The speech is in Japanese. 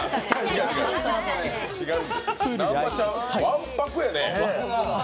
南波ちゃん、わんぱくやね。